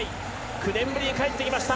９年ぶりに帰ってきました。